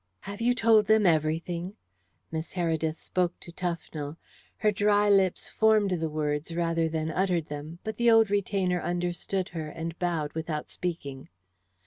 "Have you told them everything?" Miss Heredith spoke to Tufnell. Her dry lips formed the words rather than uttered them, but the old retainer understood her, and bowed without speaking.